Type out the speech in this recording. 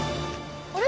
あれ？